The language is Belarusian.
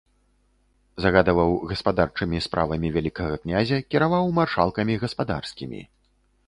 Загадваў гаспадарчымі справамі вялікага князя, кіраваў маршалкамі гаспадарскімі.